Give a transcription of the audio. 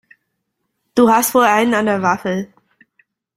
Du hast wohl einen an der Waffel!